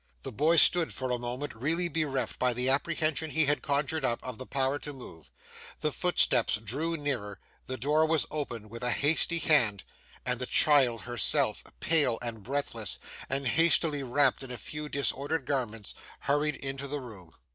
The boy stood, for a moment, really bereft, by the apprehension he had conjured up, of the power to move. The footsteps drew nearer, the door was opened with a hasty hand, and the child herself, pale and breathless, and hastily wrapped in a few disordered garments, hurried into the room.